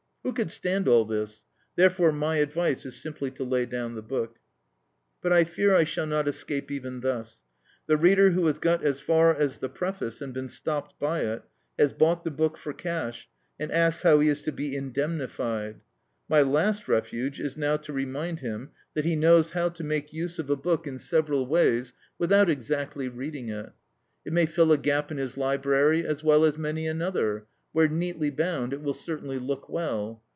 Who could stand all this? Therefore my advice is simply to lay down the book. But I fear I shall not escape even thus. The reader who has got as far as the preface and been stopped by it, has bought the book for cash, and asks how he is to be indemnified. My last refuge is now to remind him that he knows how to make use of a book in several ways, without exactly reading it. It may fill a gap in his library as well as many another, where, neatly bound, it will certainly look well.